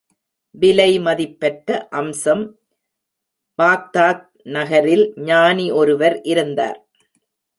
விலை மதிப்பற்ற அம்சம் பாக்தாத் நகரில் ஞானி ஒருவர் இருந்தார்.